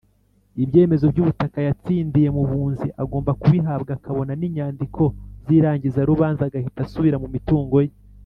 ibyemezo by’ ubutaka yatsindiye mu bunzi agomba kubihabwa akabona n’inyandiko zirangizarubanza agahita asubira mu mitungo ye.